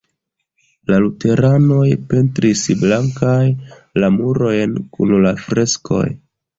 La luteranoj pentris blankaj la murojn kun la freskoj.